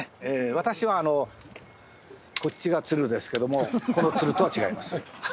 私はあのこっちがツルですけどもこのツルとは違います。